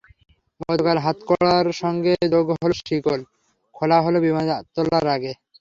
গতকাল হাতকড়ার সঙ্গে যোগ হলো শিকল, খোলা হলো বিমানে তোলার আগে।